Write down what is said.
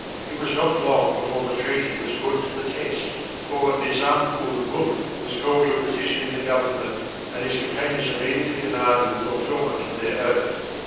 It was not long before the treaty was put to the test, for Nizdm ul Mulk was called to a position in the government, and his companions immediately demanded the fulfill ment of their oath.